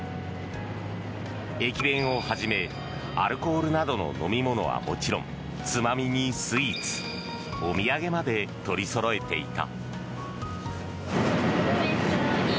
駅弁をはじめ、アルコールなどの飲み物はもちろんつまみにスイーツ、お土産まで取り揃えていた。